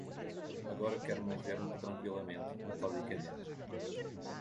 Agora, quero morrer tranqüilamente, metodicamente